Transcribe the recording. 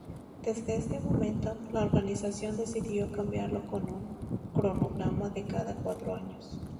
Desde este momento, la organización decidió cambiarlo con un cronograma de cada cuatro años.